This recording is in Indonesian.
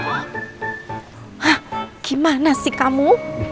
hah gimana sih kamu